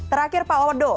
terakhir pak odo